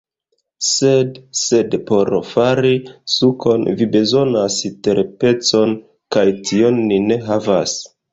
Sed... sed por fari sukon vi bezonas terpecon kaj tion ni ne havas